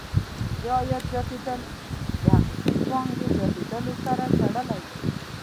د ملي عاید زیاتېدل د حقیقي پانګې زیاتیدلو سره تړلې دي.